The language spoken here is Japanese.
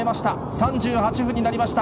３８分になりました。